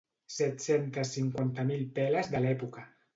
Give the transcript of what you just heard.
Set-centes cinquanta mil peles de l'època.